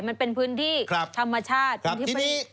มันเป็นพื้นที่ธรรมชาติ